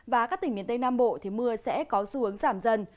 và các tỉnh miền tây nam bộ thì mưa sẽ có xu hướng giảm dần